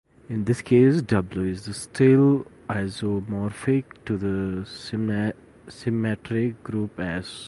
In this case, "W" is still isomorphic to the symmetric group "S".